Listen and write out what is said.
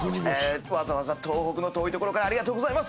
わざわざ東北の遠い所からありがとうございます。